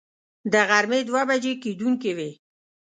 د غرمې دوه بجې کېدونکې وې.